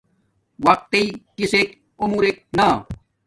وقت تݵ کسک عمرک نا